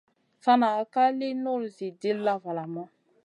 San ka lì nul Zi dilla valamu.